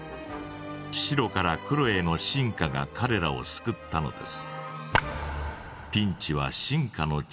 白から黒への進化がかれらを救ったのです。